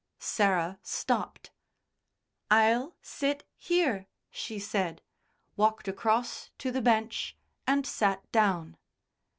Sarah stopped. "I'll sit here," she said, walked across to the bench and sat down.